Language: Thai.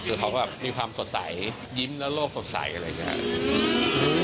คือเขาก็มีความสดใสยิ้มและโลกสดใสอะไรอย่างนี้ครับ